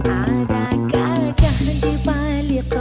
ada gajah di balik